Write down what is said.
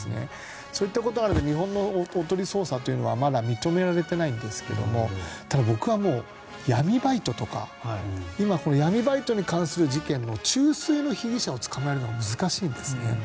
そういったことは日本のおとり捜査ではまだ認められてないんですけども僕は闇バイトとか今、闇バイトに関する事件の中枢の被疑者を捕まえるのは難しいんですね。